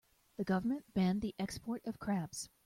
The government banned the export of crabs.